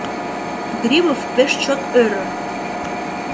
— Грибов пеш чот ӧрӧ.